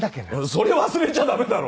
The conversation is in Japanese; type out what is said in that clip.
それ忘れちゃ駄目だろ。